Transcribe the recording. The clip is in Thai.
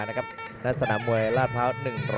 นะครับนักสนามวยลาภาพ